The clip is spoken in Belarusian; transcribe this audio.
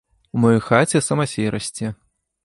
У маёй хаце самасей расце.